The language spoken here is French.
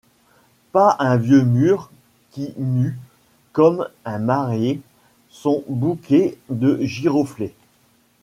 Pas un vieux mur qui n’eût, comme un marié, son bouquet de giroflées.